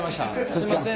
すんません。